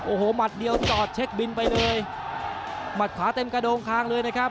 โอ้โหหมัดเดียวจอดเช็คบินไปเลยหมัดขวาเต็มกระโดงคางเลยนะครับ